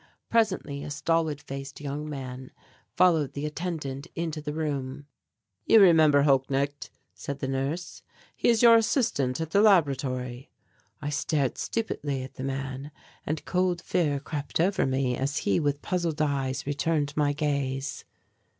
Presently a stolid faced young man followed the attendant into the room. "You remember Holknecht," said the nurse, "he is your assistant at the laboratory." I stared stupidly at the man, and cold fear crept over me as he, with puzzled eyes, returned my gaze.